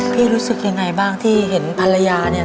รู้สึกยังไงบ้างที่เห็นภรรยาเนี่ย